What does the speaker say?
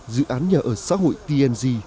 dự án nhà ở xã hội tng